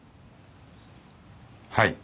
はい。